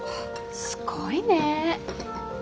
すごいねえ。